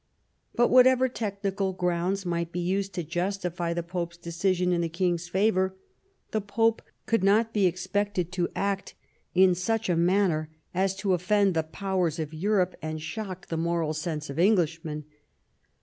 But whatever technical grounds might be used to justify the Pope's decision in the king's favour, the Pope could not be expected to act in such a manner as to oflFend the Powers of Europe and shock the moral sense of Englishmen.